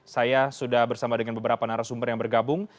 saya sudah bersama dengan beberapa narasumber yang bergabung